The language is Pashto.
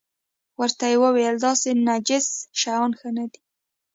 ورته ویې ویل داسې نجس شیان ښه نه دي.